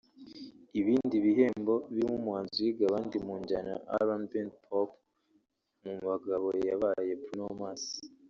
Ibindi bihembo birimo umuhanzi uhiga abandi mu njyana ya R&B/Pop mu bagabo yabaye Bruno Mars